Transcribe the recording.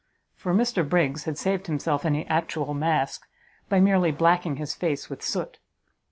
For Mr Briggs had saved himself any actual mask, by merely blacking his face with soot.